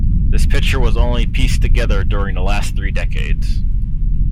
This picture was only pieced together during the last three decades.